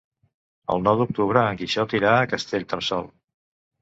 El nou d'octubre en Quixot irà a Castellterçol.